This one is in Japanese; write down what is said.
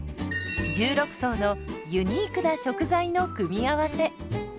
１６層のユニークな食材の組み合わせ。